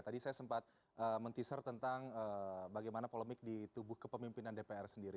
tadi saya sempat menteser tentang bagaimana polemik di tubuh kepemimpinan dpr sendiri